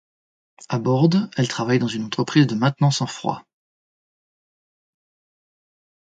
À Bordes, elle travaille dans une entreprise de maintenance en froid.